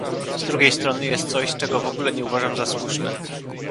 Z drugiej strony jest coś, czego w ogóle nie uważam za słuszne